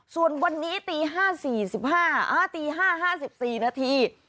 ส่วนวันนี้ตี๕๔๕ตี๕๕๔นาที